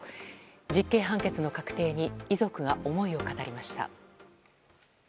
実刑判決の確定に遺族が思いを語りました。